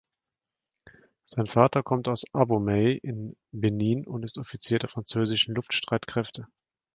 Sein Vater kommt aus Abomey in Benin und ist Offizier der französischen Luftstreitkräfte.